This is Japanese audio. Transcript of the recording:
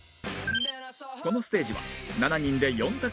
このステージは７人で４択